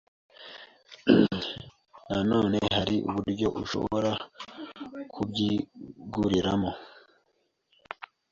nanone hari uburyo ushobora kubyiteguriramo